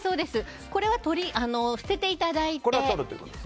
これは捨てていただいて。